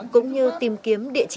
cũng như tìm kiếm địa chỉ